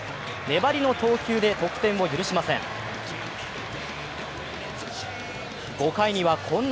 粘りの投球で得点を許しません。